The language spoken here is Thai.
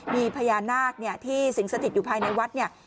มีพญานาคที่สิงสถิตอยู่ภายในวัดเนี่ย